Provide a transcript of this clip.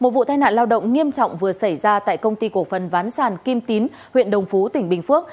một vụ tai nạn lao động nghiêm trọng vừa xảy ra tại công ty cổ phần ván sản kim tín huyện đồng phú tỉnh bình phước